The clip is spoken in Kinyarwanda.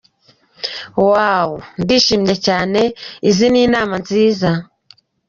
waaawuoo ndishimye cyane izi ni inama nziza.